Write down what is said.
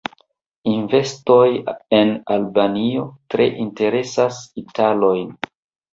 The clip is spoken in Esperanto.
Investoj en Albanio tre interesas italojn.